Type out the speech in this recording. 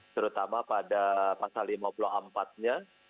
terutama pada pasal lima puluh empat nya